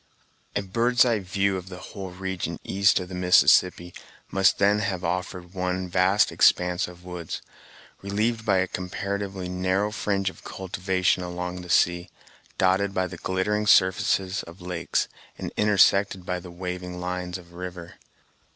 A bird's eye view of the whole region east of the Mississippi must then have offered one vast expanse of woods, relieved by a comparatively narrow fringe of cultivation along the sea, dotted by the glittering surfaces of lakes, and intersected by the waving lines of river.